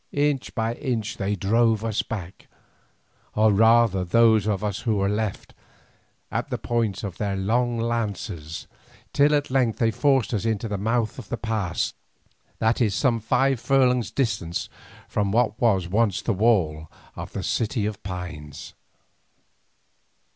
Inch by inch they drove us back, or rather those who were left of us, at the point of their long lances, till at length they forced us into the mouth of the pass, that is some five furlongs distant from what was once the wall of the City of Pines.